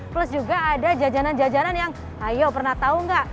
plus juga ada jajanan jajanan yang ayo pernah tahu nggak